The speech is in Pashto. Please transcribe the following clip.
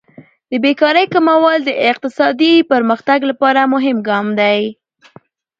د بیکارۍ کمول د اقتصادي پرمختګ لپاره مهم ګام دی.